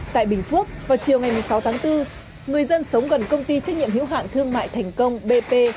tại bình phước vào chiều ngày một mươi sáu tháng bốn người dân sống gần công ty trách nhiệm hữu hạn thương mại thành công bp